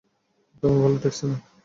তেমন ভালো ঠেকছে না!